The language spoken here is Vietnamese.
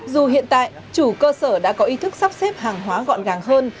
dù hiện tại chủ cơ sở đã có ý thức sắp xếp hàng hóa gọn gàng hơn